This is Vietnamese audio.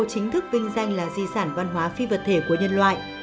chính thức vinh danh là di sản văn hóa phi vật thể của nhân loại